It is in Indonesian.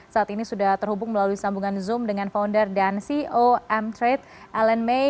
saat ini sudah terhubung melalui sambungan zoom dengan founder dan ceo m trade ellen may